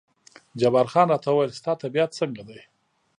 جبار خان راته وویل ستا طبیعت څنګه دی؟